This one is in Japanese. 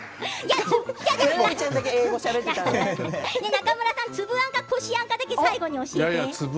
中村さんは粒あんかこしあんだけ最後教えて。